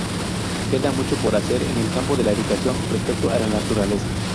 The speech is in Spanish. Queda mucho por hacer en el campo de la educación respecto a la naturaleza.